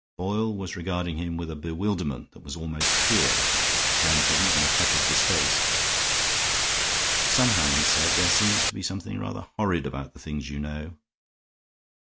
Boyle was regarding him with a bewilderment that was almost fear, and had even a touch of distaste. "Somehow," he said, "there seems to be something rather horrid about the things you know."